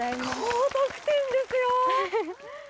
高得点ですよ！